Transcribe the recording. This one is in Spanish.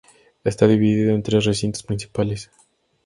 Está dividido en tres recintos principales.